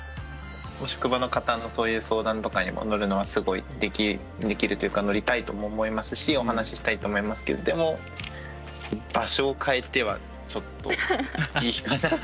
職場の方のそういう相談とかにも乗るのはすごいできるというか乗りたいとも思いますしお話したいと思いますけどでも場所を変えてはちょっといいかな。